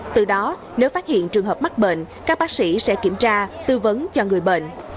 từ đó nếu phát hiện trường hợp mắc bệnh các bác sĩ sẽ kiểm tra tư vấn cho người bệnh